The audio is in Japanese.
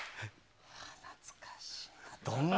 懐かしいな。